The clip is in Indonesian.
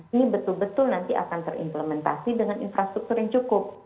ini betul betul nanti akan terimplementasi dengan infrastruktur yang cukup